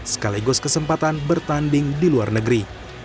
sekaligus kesempatan bertanding di luar negeri